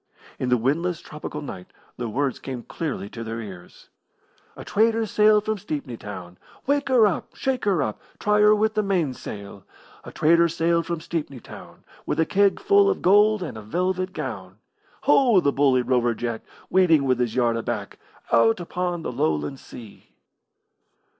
In the windless tropical night the words came clearly to their ears: A trader sailed from Stepney Town, Wake her up! Shake her up! Try her with the mainsail! A trader sailed from Stepney Town With a keg full of gold and a velvet gown. Ho, the bully Rover Jack, Waiting with his yard aback Out upon the Lowland Sea.